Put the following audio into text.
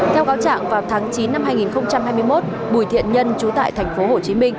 theo cáo trạng vào tháng chín năm hai nghìn hai mươi một bùi thiện nhân trú tại tp hcm